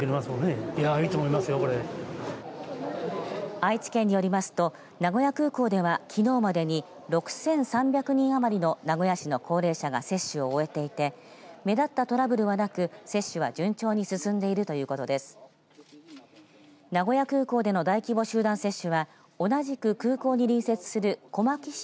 愛知県によりますと名古屋空港では、きのうまでに６３００人余りの名古屋市の高齢者が接種を終えていて目立ったトラブルはなく接種は順調に進んでいるということです。